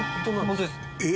本当です。